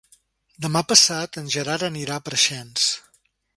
Demà passat en Gerard anirà a Preixens.